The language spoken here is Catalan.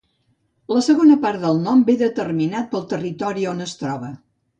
La segona part del nom ve determinat pel territori on es troba.